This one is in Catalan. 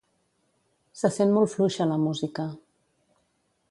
Se sent molt fluixa la música.